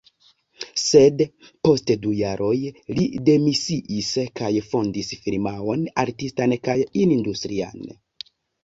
Sed post du jaroj li demisiis kaj fondis firmaon artistan kaj industrian.